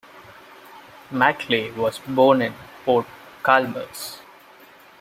Mackley was born in Port Chalmers.